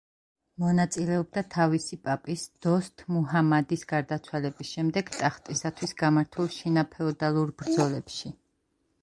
მონაწილეობდა თავისი პაპის დოსთ მუჰამადის გარდაცვალების შემდეგ ტახტისათვის გამართულ შინაფეოდალურ ბრძოლებში.